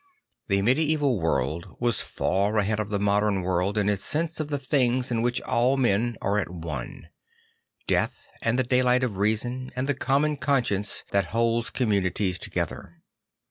The medieval world was far ahead of the modern world in its sense of the things in which all men are at one: death and the daylight of reason and the common conscience that holds communities together.